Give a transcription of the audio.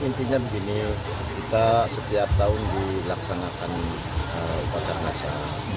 intinya begini kita setiap tahun dilaksanakan upacara masa